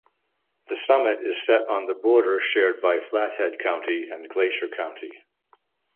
The summit is set on the border shared by Flathead County and Glacier County.